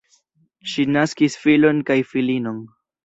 Ŝi naskis filon kaj filinon.